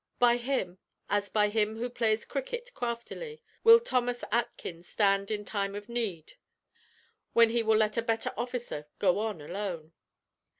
By him, as by him who plays cricket craftily, will Thomas Atkins stand in time of need when he will let a better officer go on alone.